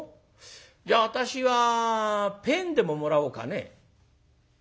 じゃ私はぺんでももらおうかね」。